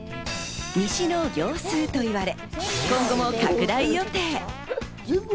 西の業スーと呼ばれ、今後も拡大予定。